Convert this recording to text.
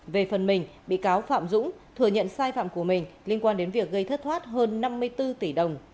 về phần mình bị cáo phạm dũng thừa nhận sai phạm của mình liên quan đến việc gây thất thoát hơn năm mươi bốn tỷ đồng